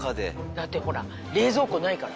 だってほら冷蔵庫ないから。